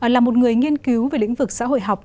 là một người nghiên cứu về lĩnh vực xã hội học